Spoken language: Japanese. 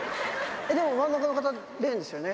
でも、真ん中の方は廉ですよね。